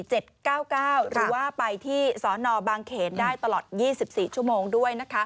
หรือว่าไปที่สนบางเขนได้ตลอด๒๔ชั่วโมงด้วย